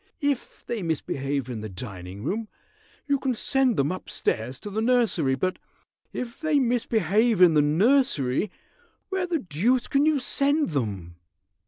If they misbehave in the dining room you can send them up stairs to the nursery, but if they misbehave in the nursery, where the deuce can you send them?"